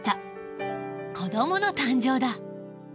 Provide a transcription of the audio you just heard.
子どもの誕生だ。